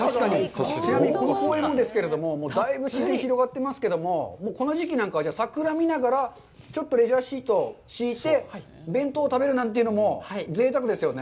ちなみにこの公園もですけれども、だいぶ自然広がってますけれども、この時期なんかは、桜を見ながら、ちょっとレジャーシートを敷いて、弁当を食べるなんていうのもぜいたくですよね。